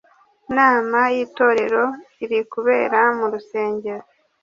Inama y itorero irikubera mu rusengero